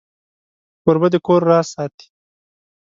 کوربه د کور راز ساتي.